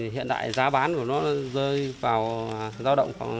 hiện đại giá bán của nó rơi vào giao động khoảng hai mươi một hai mươi hai